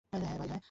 হ্যাঁ ভাই, হ্যাঁ!